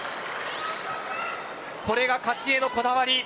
これが勝ちへのこだわり。